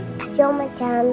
makasih om pachan